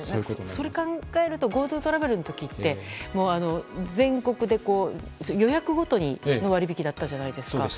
それを考えるとＧｏＴｏトラベルの時って全国で予約ごとの割り引きだったじゃないですか。